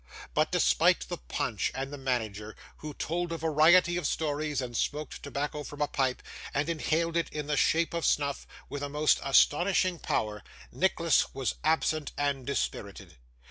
But, despite the punch and the manager, who told a variety of stories, and smoked tobacco from a pipe, and inhaled it in the shape of snuff, with a most astonishing power, Nicholas was absent and dispirited.